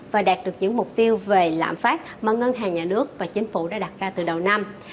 và đạt được những mục tiêu về lãm phát mà ngân hàng nhà nước và chính phủ đã đặt ra từ đầu năm